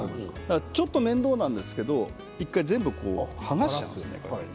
ちょっと面倒なんですけど１回全部、剥がしちゃいますね。